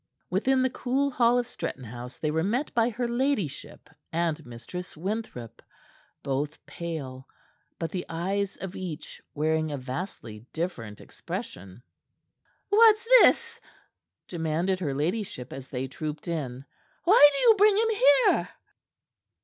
Within the cool hall of Stretton House they were met by her ladyship and Mistress Winthrop, both pale, but the eyes of each wearing a vastly different expression. "What's this?" demanded her ladyship, as they trooped in. "Why do you bring him here?"